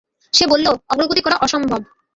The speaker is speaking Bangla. সে বলল, অগ্রগতি করা অসম্ভব।